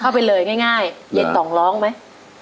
ไปเลยง่ายเย็นต่องร้องไหม